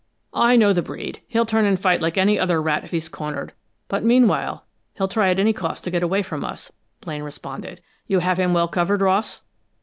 "I know the breed. He'll turn and fight like any other rat if he's cornered, but meanwhile he'll try at any cost to get away from us," Blaine responded. "You have him well covered, Ross?"